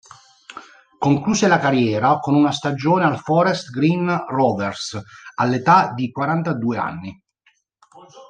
Concluse la carriera con una stagione al Forest Green Rovers, all'età di quarantadue anni.